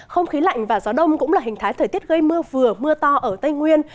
không khí lạnh và gió đông cũng là hình thái thời tiết gây mưa vừa mưa to ở tây nguyên